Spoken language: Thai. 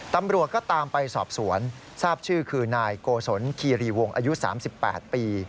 ตำรวจก็ตามไปสอบสวนทราบชื่อคือนายโกศลคีรีวงอายุ๓๘ปี